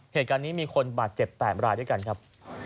เหตุการณ์นี้มีคนบาดเจ็บ๘รายด้วยกันครับ